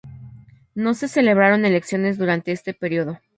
No se celebraron elecciones durante este período.